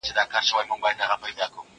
زه اوس د سبا لپاره د نوي لغتونو يادوم!.